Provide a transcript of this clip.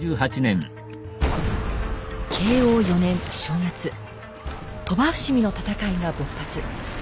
慶応４年正月鳥羽伏見の戦いが勃発。